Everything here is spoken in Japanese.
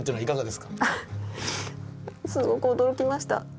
すごく驚きました。